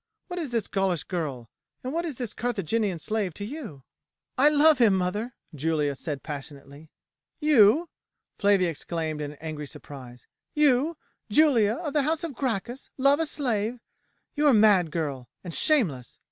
What is this Gaulish girl, what is this Carthaginian slave, to you?" "I love him, mother!" Julia said passionately. "You!" Flavia exclaimed in angry surprise; "you, Julia, of the house of Gracchus, love a slave! You are mad, girl, and shameless."